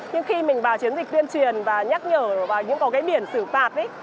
nhưng khi mình vào chiến dịch tuyên truyền và nhắc nhở vào những biển xử tạt